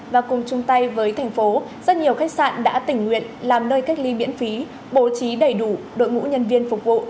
và cùng chung tay với thành phố rất nhiều khách sạn đã tình nguyện làm nơi cách ly miễn phí bố trí đầy đủ đội ngũ nhân viên phục vụ